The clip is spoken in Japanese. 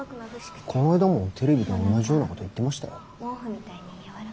こないだもテレビで同じようなこと言ってましたよ。